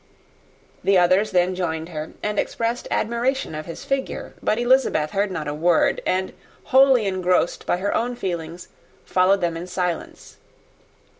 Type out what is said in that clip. The others then joined her, and expressed their admiration of his figure; but Elizabeth heard not a word, and, wholly engrossed by her own feelings, followed them in silence.